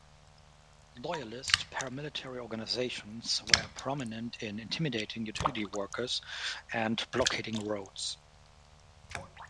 Loyalist paramilitary organisations were prominent in intimidating utility workers and blockading roads.